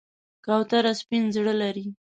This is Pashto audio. کوتره سپین زړه لري.